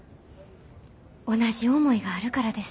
同じ思いがあるからです。